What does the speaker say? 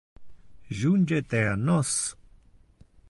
Junge te a nos.